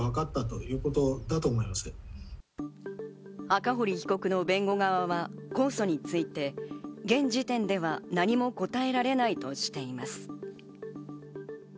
赤堀被告の弁護側は控訴について、現時点では何も答えられないとしています。